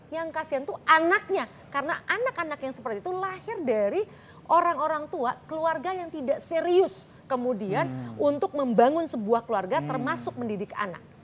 yang kasihan itu anaknya karena anak anak yang seperti itu lahir dari orang orang tua keluarga yang tidak serius kemudian untuk membangun sebuah keluarga termasuk mendidik anak